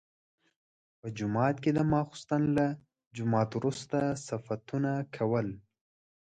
په جومات کې د ماخستن له جماعت وروسته صفتونه کول.